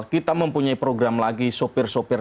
kita mempunyai program lagi sopir sopir